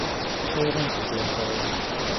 خۆی ڕوون کردووەتەوە.